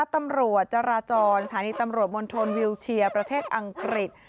ตำรวจจราจรสถานีตำรวจมณฑลวิวเชียร์ประเทศอังกฤษ